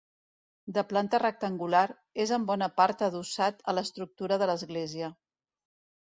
De planta rectangular, és en bona part adossat a l'estructura de l'església.